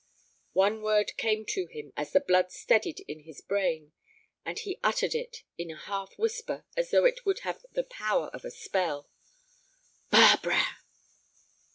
One word came to him as the blood steadied in his brain, and he uttered it in a half whisper, as though it would have the power of a spell. "Barbara!"